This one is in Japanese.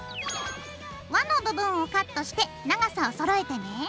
わの部分をカットして長さをそろえてね。